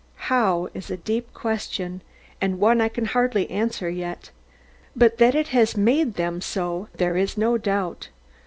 How, is a deep question, and one I can hardly answer yet. But that it has made them so there is no doubt.